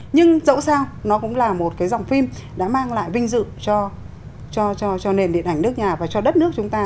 nhưng dẫu sao nó cũng là một cái dòng phim đã mang lại vinh dự cho nền điện ảnh nước nhà và cho đất nước chúng ta